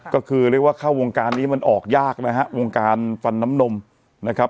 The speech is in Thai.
ก็คือเรียกว่าเข้าวงการนี้มันออกยากนะฮะวงการฟันน้ำนมนะครับ